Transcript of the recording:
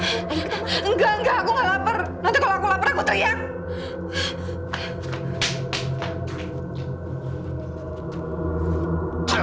tidak tidak aku tidak lapar kalau aku lapar aku akan teriak